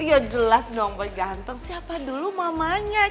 ya jelas dong boy ganteng siapa dulu mamanya